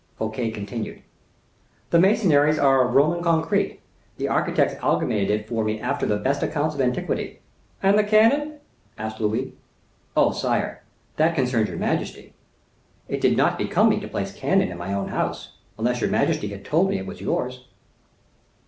Fouquet continued: "The masonries are of Roman concrete; the architects amalgamated it for me after the best accounts of antiquity." "And the cannon?" asked Louis. "Oh! sire, that concerns your majesty; it did not become me to place cannon in my own house, unless your majesty had told me it was yours."